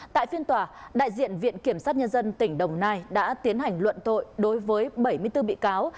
tại phiên tòa đại diện viện kiểm sát nhân dân tỉnh đồng nai đã tiến hành luận tội đối với bảy mươi bốn bị cáo